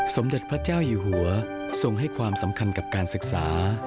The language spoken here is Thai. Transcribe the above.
สมเด็จพระเจ้าอยู่หัวทรงให้ความสำคัญกับการศึกษา